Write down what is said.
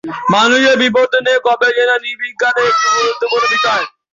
মানুষের বিবর্তন নিয়ে গবেষণা নৃবিজ্ঞানের একটি অতি গুরুত্বপূর্ণ বিষয়।